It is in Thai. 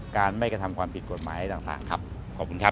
การไม่กระทำความผิดกฎหมายต่างครับขอบคุณครับ